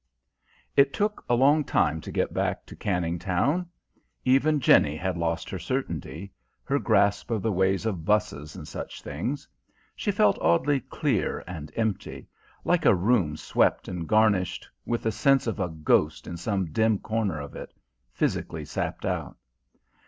It took a long time to get back to Canning Town. Even Jenny had lost her certainty: her grasp of the ways of 'buses and such things. She felt oddly clear and empty: like a room swept and garnished, with the sense of a ghost in some dim corner of it; physically sapped out.